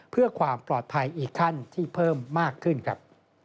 เพื่อความปลอดภัยอีกขั้นที่เพิ่มมากขึ้นครับ